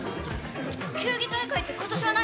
球技大会ってことしはないの？